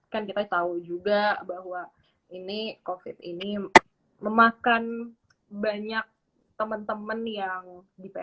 kan kita tahu juga bahwa ini covid ini memakan banyak teman teman yang di pssi